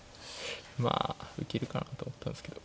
まあ受けるかなと思ったんですけど。